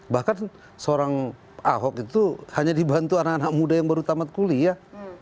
bahkan seorang ahok itu hanya dibantu anak anak muda yang baru tamat kuliah